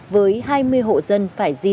với hai mươi hộ dân phải